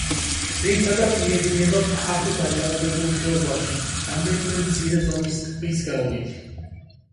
ძირითადად მიედინება ფართო დაჭაობებულ ხეობაში, რამდენიმე მცირე ზომის ტბის გავლით.